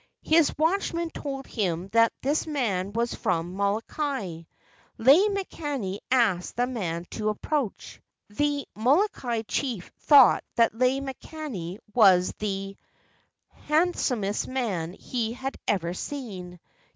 His watchman told him that this man was from Molokai. Lei makani asked the man to approach. The Molokai chief thought that Lei makani was the 222 LEGENDS OF GHOSTS handsomest man he had ever seen.